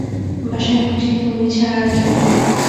বাসায় বুঝি তুমি ছাড়া আর কেউ নেই।